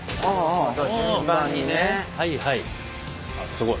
すごい。